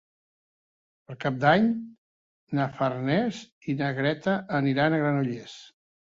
Per Cap d'Any na Farners i na Greta aniran a Granollers.